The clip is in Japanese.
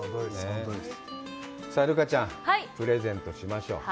さあ留伽ちゃん、プレゼントしましょう。